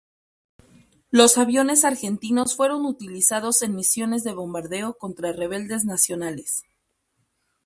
Los aviones argentinos fueron utilizados en misiones de bombardeo contra rebeldes nacionales.